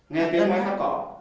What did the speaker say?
nghe tiếng máy phát cọ